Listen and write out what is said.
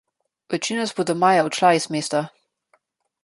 Večina nas bo do maja odšla iz mesta.